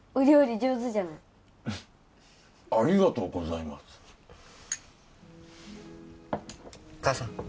上手じゃないありがとうございますお母さん